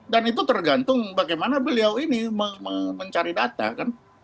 dan itu tergantung bagaimana beliau ini mencari data kan